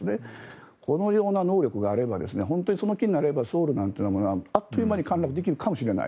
そういう能力があれば本当にその気になればソウルなんてものはあっという間に陥落できるかもしれない。